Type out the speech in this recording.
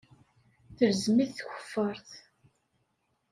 Telzem-it tkeffart.